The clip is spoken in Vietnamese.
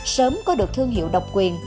sớm có được thương hiệu độc quyền